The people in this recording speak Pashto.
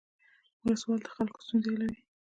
ولسوال د خلکو ستونزې حلوي